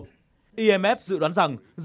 imf dự đoán rằng dưới sự ảnh hưởng của các nền kinh tế